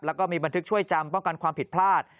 แล้วก็มีบันทึกช่วยจำป้องกันความผิดพลาด